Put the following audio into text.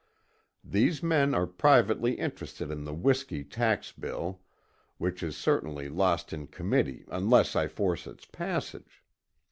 These men are privately interested in the whiskey tax bill, which is certainly lost in committee unless I force its passage.